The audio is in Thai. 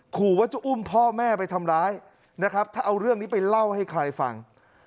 ขู่ว่าจะอุ้มพ่อแม่ไปทำร้ายนะครับถ้าเอาเรื่องนี้ไปเล่าให้ใครฟัง